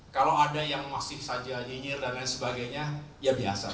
kalau ada yang masif saja nyinyir dan lain sebagainya ya biasa